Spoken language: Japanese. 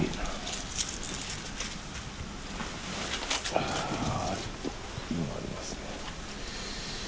あちょっといいのありますね。